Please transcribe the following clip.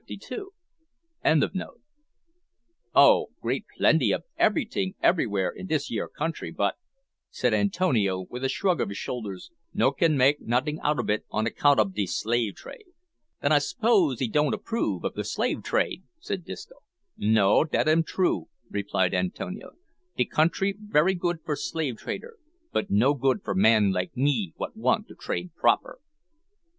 ] Oh! great plenty ob eberyting eberywhere in dis yere country, but," said Antonio, with a shrug of his shoulders, "no can make noting out ob it on account ob de slave trade." "Then I 'spose 'ee don't approve of the slave trade?" said Disco. "No, dat am true," replied Antonio; "de country very good for slave trader, but no good for man like me what want to trade proper."